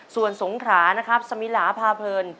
ส่วนสงขรานะครับสมิลาพาเพลิน